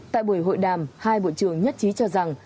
tại buổi hội đàm hai bộ trưởng nhất trí cho rằng